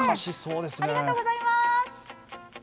ありがとうございます。